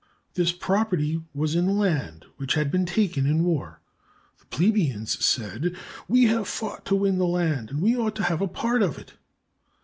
This property was in land which had been taken in war. The plebeians said, "We have fought to win the land, and we ought to have a part of it."